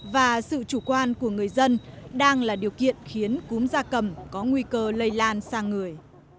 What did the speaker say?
và sự chủ quan của người dân đang là điều kiện khiến cúm da cầm có nguy cơ lây lan sang người